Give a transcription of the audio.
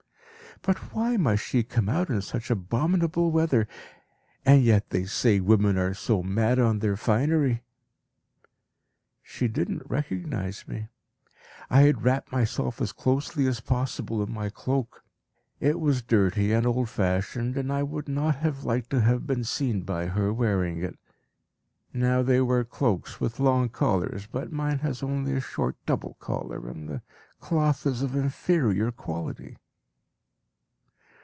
But why must she come out in such abominable weather? And yet they say women are so mad on their finery! She did not recognise me. I had wrapped myself as closely as possible in my cloak. It was dirty and old fashioned, and I would not have liked to have been seen by her wearing it. Now they wear cloaks with long collars, but mine has only a short double collar, and the cloth is of inferior quality.